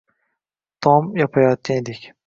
Tom yopayotgan edik.